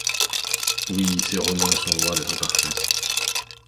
Oui, ces romans sont loin d’être parfaits.